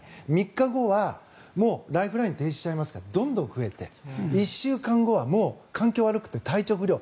３日後は、もうライフラインが停止しちゃいますからどんどん増えて１週間後はもう環境悪くて体調不良。